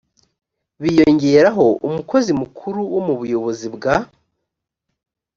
biyongeraho umukozi mukuru wo mu buyobozi bwa